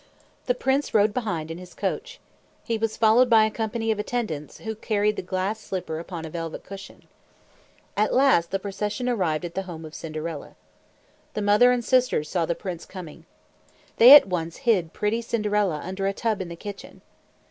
The prince rode behind in his coach. He was followed by a company of attendants, who carried the glass slipper upon a velvet cushion. At last the procession arrived at the home of Cinderella. The mother and sisters saw the prince coming. They at once hid pretty Cinderella under a tub in the kitchen.